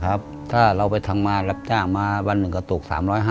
ถ้าเราไปทำงานรับจ้างมาวันหนึ่งก็ตก๓๕๐